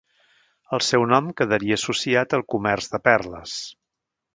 El seu nom quedaria associat al comerç de perles.